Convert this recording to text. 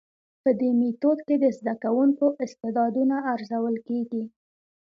په دي ميتود کي د زده کوونکو استعدادونه ارزول کيږي.